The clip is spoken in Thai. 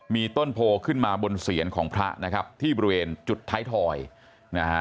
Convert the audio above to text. มีต้นโพขึ้นมาบนเสียนของพระนะครับที่บริเวณจุดท้ายทอยนะฮะ